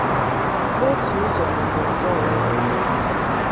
n'otu ụzọ maọbụ nke ọzọ